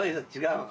うん。